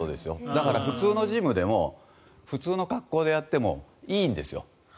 だから普通のジムでも普通の格好でやってもいいんですよ。